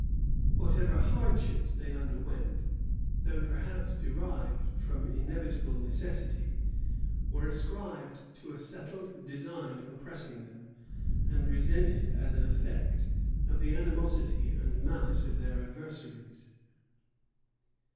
Whatever hardships they underwent, though perhaps derived from inevitable necessity, were ascribed to a settled design of oppressing them, and resented as an effect of the animosity and malice of their adversaries.